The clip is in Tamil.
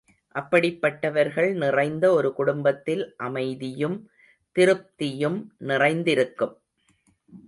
அப்படிப்பட்டவர்கள் நிறைந்த ஒரு குடும்பத்தில் அமைதியும், திருப்தியும் நிறைந்திருக்கும்.